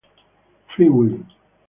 Free Will